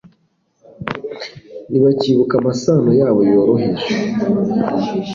Ntibakibuka amasano yabo yoroheje